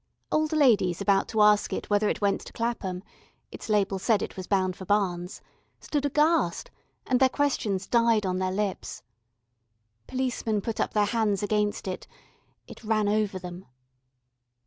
Old ladies about to ask it whether it went to Clapham its label said it was bound for Barnes stood aghast, and their questions died on their lips. Policemen put up their hands against it, it ran over them.